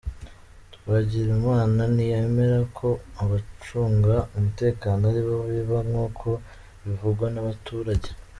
Twagirimana ntiyemera ko abacunga umutekano aribo biba nkuko bivugwa n’abaturage.